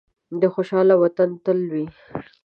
د خوشحال وطن تل وي.